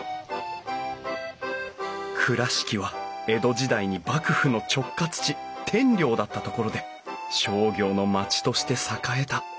倉敷は江戸時代に幕府の直轄地天領だった所で商業の町として栄えた。